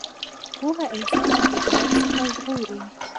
پوهه انسان له جهالت څخه ژغوري.